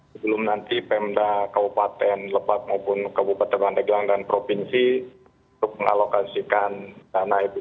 sebelum nanti pemda kabupaten lebak maupun kabupaten pandeglang dan provinsi untuk mengalokasikan dana itu